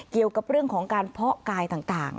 เกี่ยวกับเรื่องของการเพาะกายต่าง